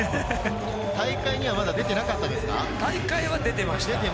大会にはまだ出ていなかった大会は出ていました。